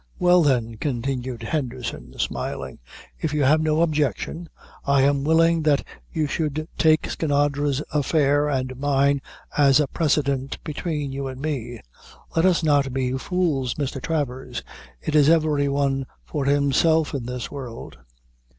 "Well, then," continued Henderson, smiling, "if you have no objection, I am willing that you should take Skinadre's affair and mine as a precedent between you and me. Let us not be fools, Mr. Travers; it is every one for himself in this world."